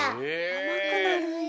あまくなるんや。